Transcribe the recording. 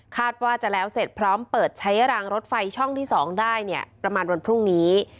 ว่าจะแล้วเสร็จพร้อมเปิดใช้รางรถไฟช่องที่๒ได้เนี่ยประมาณวันพรุ่งนี้